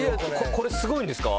これすごいんですか？